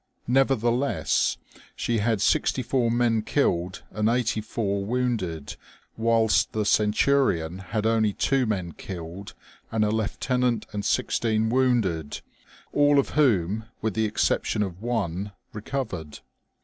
Nevertheless, she had sixty four men killed and eighty four wounded, whilst the Centurion had only two men killed, and a lieutenant and sixteen wounded, all of whom, with the exception of one, recovered.